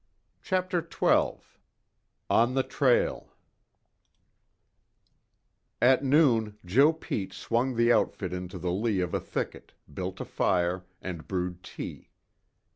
CHAPTER XII ON THE TRAIL At noon Joe Pete swung the outfit into the lee of a thicket, built a fire, and brewed tea.